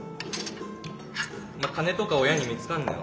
お前金とか親に見つかんなよ。